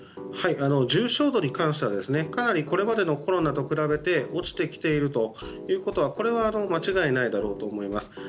重症度に関してはこれまでのコロナと比べて落ちてきているということは間違いないだろうと思います。